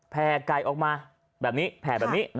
แผ่ไก่ออกมาแบบนี้